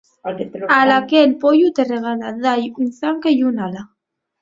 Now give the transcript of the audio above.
Al que'l pollu te regala, da-y un zanca y un ala.